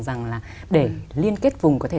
rằng là để liên kết vùng có thể